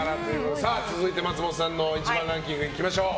続いて松本さんの１番ランキングいきましょう。